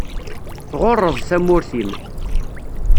Tɣuṛṛeḍ tamurt-im.